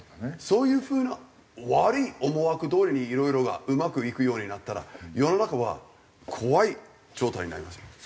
そういう風な悪い思惑どおりにいろいろがうまくいくようになったら世の中は怖い状態になりますよ。